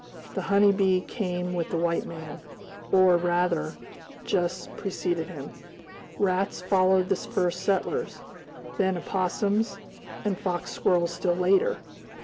The honey bee came with the white man, or rather, just preceded him. Rats followed the first settlers, then opossums, and fox squirrels still later.